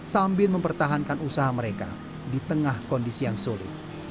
sambil mempertahankan usaha mereka di tengah kondisi yang sulit